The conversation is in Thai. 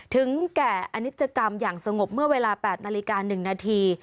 แก่อนิจกรรมอย่างสงบเมื่อเวลา๘นาฬิกา๑นาที